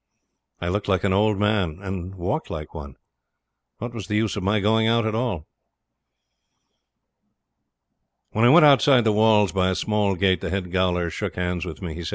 I looked like an old man, and walked like one. What was the use of my going out at all? When I went outside the walls by a small gate the head gaoler shook hands with me.